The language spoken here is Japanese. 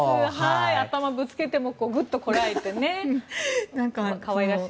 頭をぶつけてもぐっとこらえてね、可愛らしい。